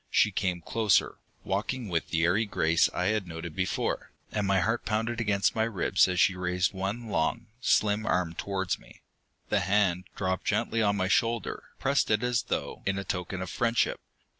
She came closer, walking with the airy grace I had noted before, and my heart pounded against my ribs as she raised one long, slim arm towards me. The hand dropped gently on my shoulder, pressed it as though in token of friendship.